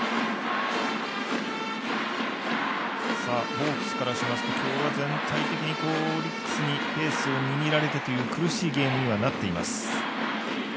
ホークスからしますと今日は全体的にオリックスにペースを握られてという苦しいゲームにはなっています。